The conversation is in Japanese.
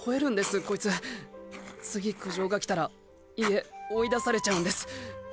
次苦情が来たら家追い出されちゃうんです。